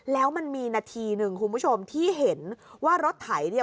แล้วมันมีนาทีหนึ่งคุณผู้ชมที่เห็นว่ารถไถเนี่ย